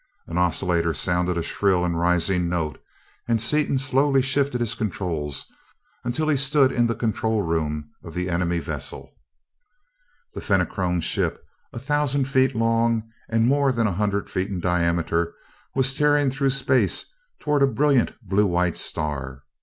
An oscillator sounded a shrill and rising note, and Seaton slowly shifted his controls until he stood in the control room of the enemy vessel. The Fenachrone ship, a thousand feet long and more than a hundred feet in diameter, was tearing through space toward a brilliant blue white star.